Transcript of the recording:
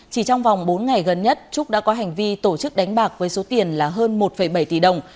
chỉ trong vòng bốn ngày gần nhất trúc đã có hành vi tổ chức đánh bạc với số tiền là hơn một bảy tỷ đồng